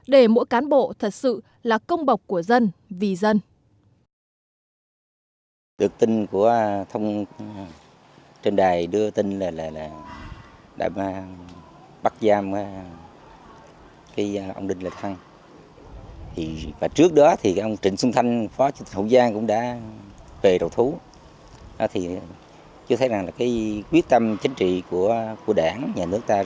để mỗi cán bộ thật sự là công bọc của dân vì dân